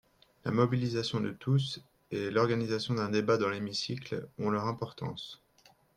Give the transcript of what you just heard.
La mobilisation de tous et l’organisation d’un débat dans l’hémicycle ont leur importance.